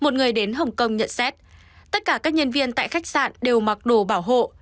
một người đến hồng kông nhận xét tất cả các nhân viên tại khách sạn đều mặc đồ bảo hộ